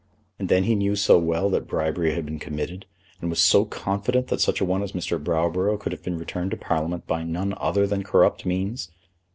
And then he knew so well that bribery had been committed, and was so confident that such a one as Mr. Browborough could have been returned to Parliament by none other than corrupt means!